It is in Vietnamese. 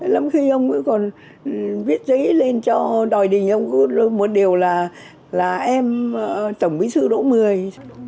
lắm khi ông ấy còn viết giấy lên cho đòi đỉnh ông cứ luôn một điều là em tổng bỉ thư đỗ mười